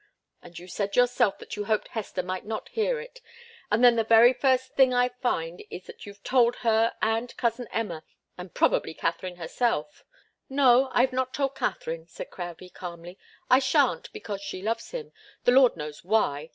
And you said yourself that you hoped Hester might not hear it, and then the very first thing I find is that you've told her and cousin Emma and probably Katharine herself " "No, I've not told Katharine," said Crowdie, calmly. "I shan't, because she loves him. The Lord knows why!